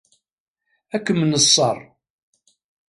Ad kem-neṣṣer.